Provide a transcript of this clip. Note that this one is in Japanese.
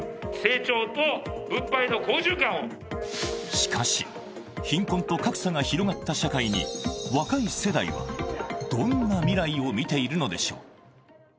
しかし、貧困と格差が広がった社会に若い世代は、どんな未来を見ているのでしょう。